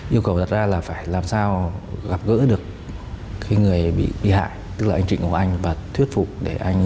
yêu cầu đặt ra là phải làm sao gặp gỡ được cái người bị hại tức là anh trịnh của anh và thuyết phục để anh